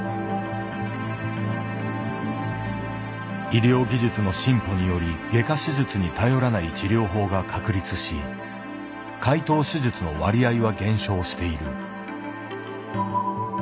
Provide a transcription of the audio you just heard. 医療技術の進歩により外科手術に頼らない治療法が確立し開頭手術の割合は減少している。